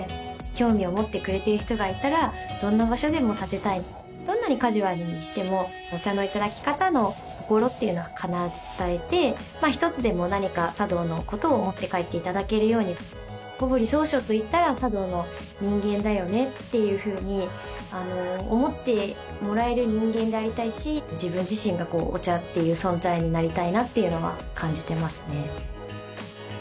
興味を持ってくれている人がいたらどんな場所でもたてたいどんなにカジュアルにしてもお茶のいただき方の心っていうのは必ず伝えて一つでも何か茶道のことを持って帰っていただけるように小堀宗翔といったら茶道の人間だよねっていうふうに思ってもらえる人間でありたいし自分自身がお茶っていう存在になりたいなっていうのは感じてますね